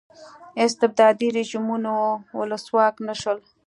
استبدادي رژیمونو ولسواک نه شول.